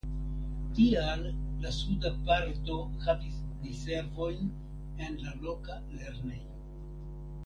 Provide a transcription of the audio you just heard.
Tial la suda parto havis diservojn en la loka lernejo.